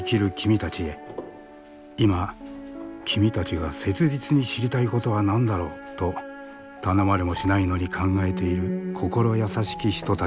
今君たちが切実に知りたいことは何だろう？と頼まれもしないのに考えている心優しき人たちがいる。